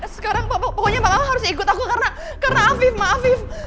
sekarang pokoknya mama harus ikut aku karena afif ma afif